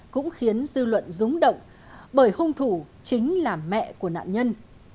cũng khiến dư luận rúng động bởi hung thủ chính là mẹ của nạn nhân